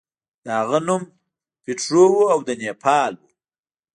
د هغه نوم پیټرو و او د نیپل و.